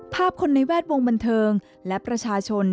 ภาพคนในแวดวงบันเทิงและประชาชน